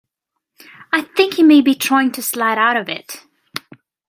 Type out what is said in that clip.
I think he may be trying to slide out of it.